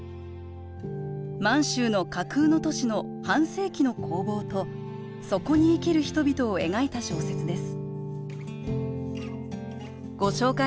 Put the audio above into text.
満洲の架空の都市の半世紀の興亡とそこに生きる人々を描いた小説です。